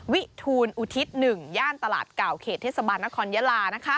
วิทูลอุทิศ๑ย่านตลาดเก่าเขตเทศบาลนครยาลา